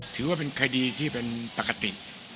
ถือว่าเป็นคดีที่เป็นปกติ